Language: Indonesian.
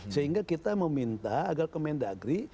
sehingga kita meminta agar kemendagri